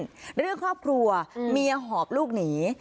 เรื่องครอบครัวเมียหอบลูกหนี